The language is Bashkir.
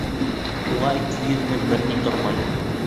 Уға ике йөҙ мең бер ни тормай.